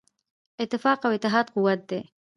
اتفاق او اتحاد قوت دی.